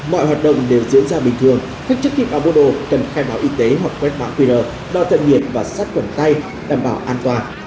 mọi hoạt động đều diễn ra bình thường khách chức khi báo mua đồ cần khai báo y tế hoặc quét báo qr đo thân nhiệt và sắt quần tay đảm bảo an toàn